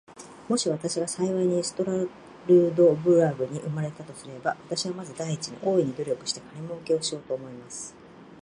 もし私が幸いにストラルドブラグに生れたとすれば、私はまず第一に、大いに努力して金もうけをしようと思います。